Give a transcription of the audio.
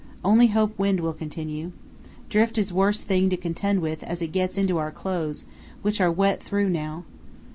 Only hope wind will continue. Drift is worst thing to contend with as it gets into our clothes, which are wet through now.